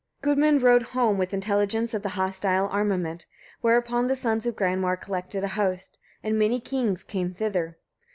Gudmund rode home with intelligence of the hostile armament; whereupon the sons of Granmar collected a host, and many kings came thither.